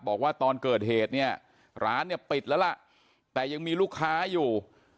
บอกว่าตอนเกิดเหตุเนี่ยร้านเนี่ยปิดแล้วล่ะแต่ยังมีลูกค้าอยู่